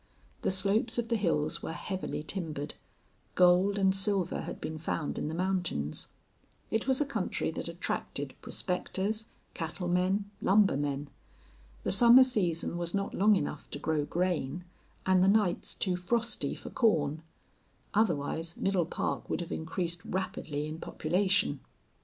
The slopes of the hills were heavily timbered; gold and silver had been found in the mountains. It was a country that attracted prospectors, cattlemen, lumbermen. The summer season was not long enough to grow grain, and the nights too frosty for corn; otherwise Middle Park would have increased rapidly in population.